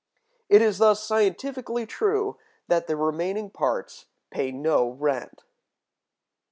It is thus scientifically true that the remaining parts pay no rent.